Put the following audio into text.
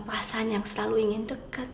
perasaan yang selalu ingin deket